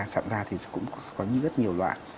sạm da thì cũng có rất nhiều loạn